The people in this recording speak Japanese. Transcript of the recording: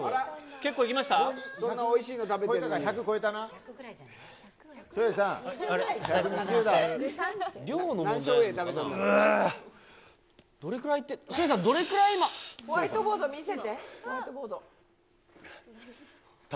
結構いきました？